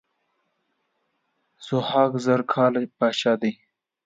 ضحاک زر کاله پاچا دی.